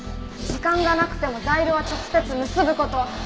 時間がなくてもザイルは直接結ぶこと。